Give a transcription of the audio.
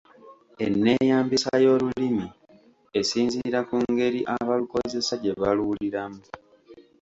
Enneeyambisa y’Olulimi esinziira ku ngeri abalukozesa gye baluwuliramu.